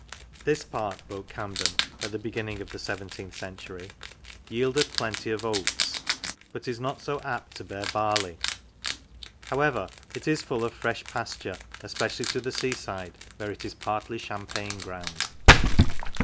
" This part," wrote Camden in the beginning of the seventeenth century, " yieldeth plenty of oats, but is not so apt to bear barley. However, it is full of fresh pasture, especially to the sea side, where it is partly champain ground."